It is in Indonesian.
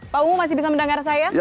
pak ungu masih bisa mendengar saya